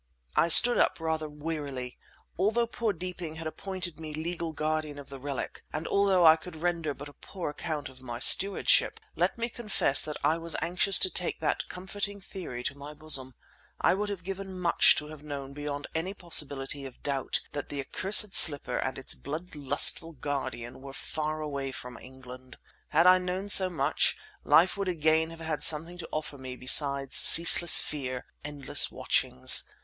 I stood up rather wearily. Although poor Deeping had appointed me legal guardian of the relic, and although I could render but a poor account of my stewardship, let me confess that I was anxious to take that comforting theory to my bosom. I would have given much to have known beyond any possibility of doubt that the accursed slipper and its blood lustful guardian were far away from England. Had I known so much, life would again have had something to offer me besides ceaseless fear, endless watchings.